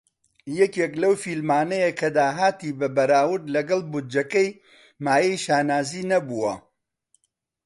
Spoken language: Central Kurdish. یەکێک لەو فیلمانەیە کە داهاتی بە بەراورد لەگەڵ بودجەکەی مایەی شانازی نەبووە.